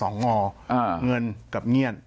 เงินกับเงี่ยน